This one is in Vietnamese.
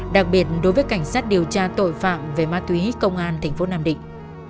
đặc biệt đối với cảnh sát điều tra tội phạm về ma túy công an tp nam định